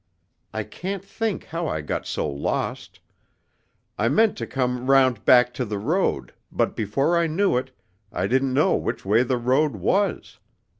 I can't think how I got so lost. I meant to come round back to the road, but before I knew it, I didn't know which way the road was.